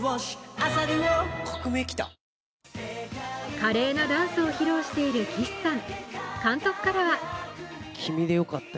華麗なダンスを披露している岸さん。